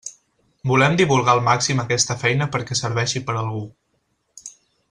Volem divulgar al màxim aquesta feina perquè serveixi per a algú.